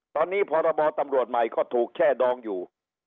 ตอนนี้พรบตำรวจใหม่ก็ถูกแช่ดองอยู่